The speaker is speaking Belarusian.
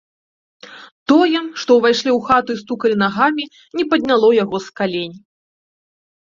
Тое, што ўвайшлі ў хату і стукалі нагамі, не падняло яго з калень.